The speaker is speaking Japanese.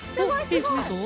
いいぞいいぞ！